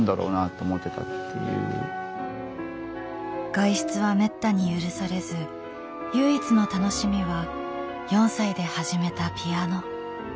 外出はめったに許されず唯一の楽しみは４歳で始めたピアノ。